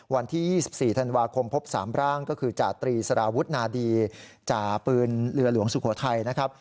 วันที่๒๔ธันวาคมพบ๓ร่างก็คือจาตรีสารวุฒนาดีจ่าปืนเรือหลวงสุโขทัยนะครับ